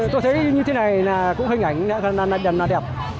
tôi thấy như thế này là cũng hình ảnh đẹp